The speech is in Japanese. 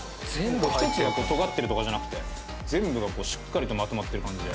１つがとがってるとかじゃなくて全部がこうしっかりとまとまってる感じで。